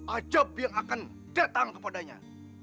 ajab yang akan datang kepadanya